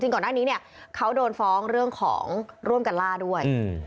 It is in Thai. ก่อนหน้านี้เนี่ยเขาโดนฟ้องเรื่องของร่วมกันล่าด้วย